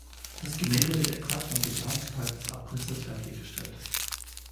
Das Gemälde wird exakt am geplanten Tag des Abrisses fertig gestellt.